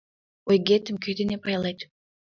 Ойгетым кö дене пайлет?